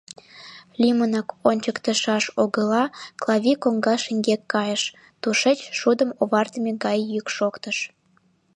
Лӱмынак ончыктышаш огыла, — Клави коҥга шеҥгек кайыш, тушеч шудым овартыме гай йӱк шоктыш.